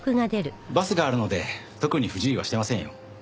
バスがあるので特に不自由はしてませんよ。